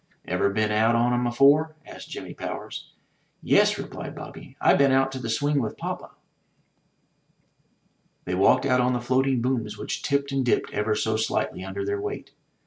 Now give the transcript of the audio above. *'Ever been out on 'em afore?'' asked Jimmy Powers. '*Yes," replied Bobby; "I been out to the swing with Papa." They walked out on the floating booms, which tipped and dipped ever so slightly under their weight.